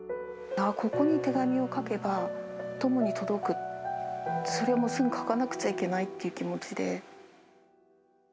ここに手紙を書けば、トモに届く、それ、もう、すぐ書かなくちゃいけないっていう気持